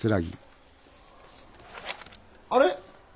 あれ？